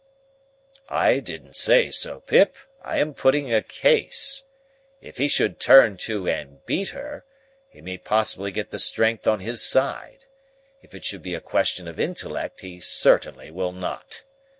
"I didn't say so, Pip. I am putting a case. If he should turn to and beat her, he may possibly get the strength on his side; if it should be a question of intellect, he certainly will not.